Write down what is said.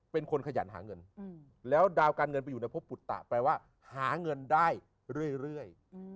เป็นคนขยันหาเงินแล้วดาวการเงินไปอยู่ในพบปุตตะแปลว่าหาเงินได้เรื่อย